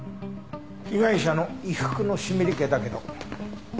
被害者の衣服の湿り気だけど。